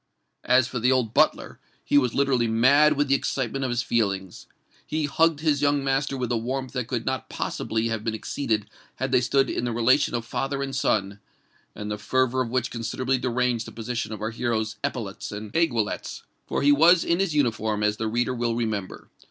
As for the old butler, he was literally mad with the excitement of his feelings. He hugged his young master with a warmth that could not possibly have been exceeded had they stood in the relation of father and son, and the fervour of which considerably deranged the position of our hero's epaulettes and aiguillettes—for he was in his uniform, as the reader will remember.